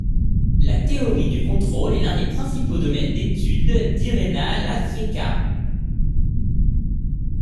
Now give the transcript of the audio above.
La théorie du contrôle est l'un des principaux domaines d'étude d'Irena Lasiecka.